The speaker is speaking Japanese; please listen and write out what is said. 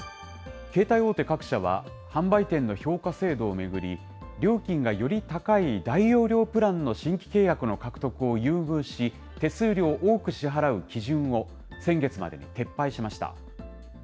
携帯大手各社は、販売店の評価制度を巡り、料金がより高い大容量プランの新規契約の獲得を優遇し、手数料を多く支払う基準を、先月までに撤廃しました。